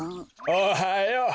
おはよう。